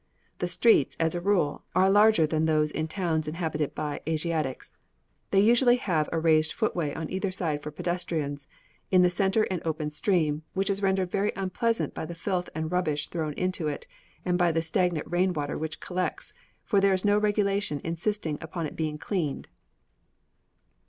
The streets, as a rule, are larger than those in towns inhabited by Asiatics. They usually have a raised footway on either side for pedestrians, in the centre an open stream, which is rendered very unpleasant by the filth and rubbish thrown into it, and by the stagnant rainwater which collects, for there is no regulation insisting upon it being cleaned.